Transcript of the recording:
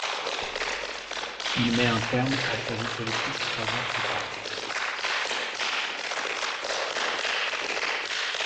Il met un terme à sa vie politique trois ans plus tard.